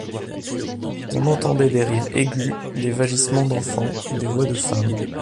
On entendait des rires aigus, des vagissements d’enfants, des voix de femmes.